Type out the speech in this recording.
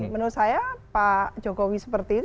menurut saya pak jokowi seperti itu